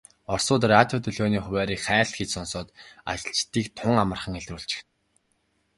Оросууд радио долгионы хуваарийг хайлт хийж сонсоод ажиглагчдыг тун амархан илрүүлчихнэ.